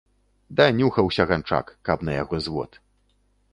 Данюхаўся ганчак, каб на яго звод!